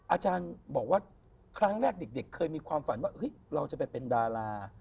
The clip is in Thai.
อาจารย์บอกว่าครั้งแรกเด็กเคยมีความฝันว่าเราจะไปเป็นดารา